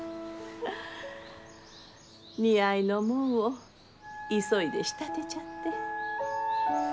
似合いのもんを急いで仕立てちゃって。